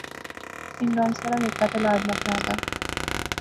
عمران ساڑا نکا تے لاڈلا پرہا دا